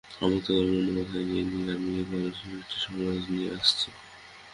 সমস্ত গালমন্দ মাথায় করে নিয়েই আমি এই ঘর এই সমাজ নিয়ে আছি।